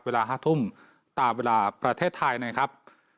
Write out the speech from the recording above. เวลา๕ทุ่มตามเวลาประเทศไทยนะครับ